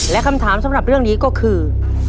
และคำถามสำหรับเรื่องนี้ก็คือ